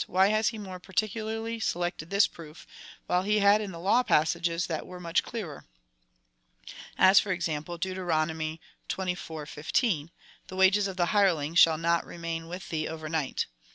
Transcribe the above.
Why has he more par ticularly selected this proof, while he had in the law passages that were much clearer? as for example, Deut. xxiv. 15, The wages of the hireling shall not remain luith thee over night.